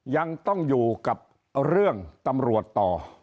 ยังต้องอยู่กับเรื่องตำรวจต่อ